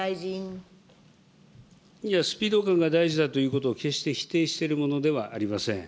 スピード感が大事だということを決して否定しているものではありません。